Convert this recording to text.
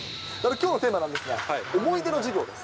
きょうのテーマなんですが、思い出の授業です。